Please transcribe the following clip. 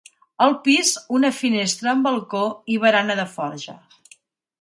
Al pis, una finestra amb balcó i barana de forja.